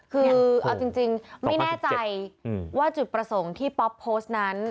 คือเอาจริงไม่แน่ใจว่าจุดประสงค์ที่ป๊อปโพสต์นั้น